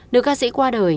nữ ca sĩ qua đời